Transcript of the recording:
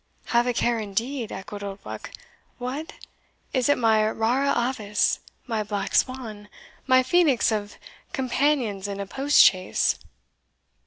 "Have a care indeed," echoed Oldbuck. "What! is it my rara avis my black swan my phoenix of companions in a post chaise?